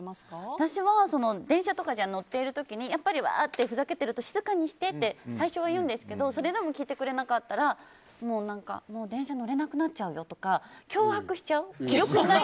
私は電車とかで乗っている時にわーってふざけていると静かにしてって言うんですけどそれでも聞いてくれなかったらもう電車に乗れなくなっちゃうよって脅迫しちゃう。